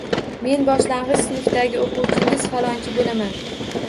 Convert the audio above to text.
Men boshlangʻich sinfdagi oʻquvchingiz falonchi boʻlaman.